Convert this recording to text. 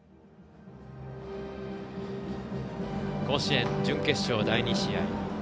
甲子園、準決勝第２試合。